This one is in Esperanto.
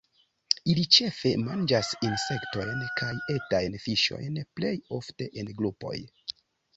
Ili ĉefe manĝas insektojn kaj etajn fiŝojn, plej ofte en grupoj.